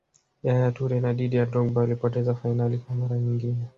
yaya toure na didier drogba walipoteza fainali kwa mara nyingine